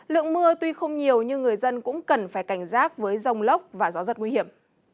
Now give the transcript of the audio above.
lượng mưa tuy không nhiều nhưng người dân cũng cần phải cảnh giác với rông lốc và gió rất nguy hiểm